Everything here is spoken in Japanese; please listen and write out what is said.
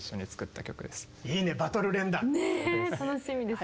楽しみですね。